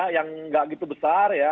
yang nggak gitu besar